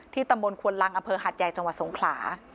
ที่ตำบลควนรังอหัดใหญ่จังหวัดสงขลา